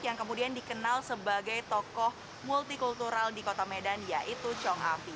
yang kemudian dikenal sebagai tokoh multikultural di kota medan yaitu chong afi